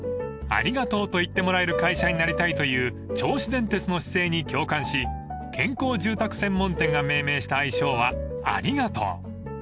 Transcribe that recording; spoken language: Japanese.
［「ありがとうと言ってもらえる会社になりたい」という銚子電鉄の姿勢に共感し健康住宅専門店が命名した愛称は「ありがとう」］